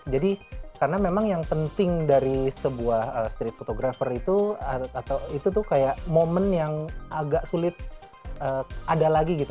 jadi karena memang yang penting dari sebuah street photographer itu itu tuh kayak momen yang agak sulit ada lagi gitu